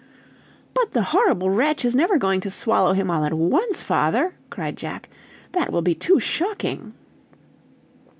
"But the horrible wretch is never going to swallow him all at once, father?" cried Jack. "That will be too shocking!"